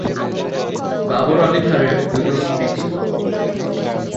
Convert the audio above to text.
বাবর আলী খানের দুজন স্ত্রী ছিল।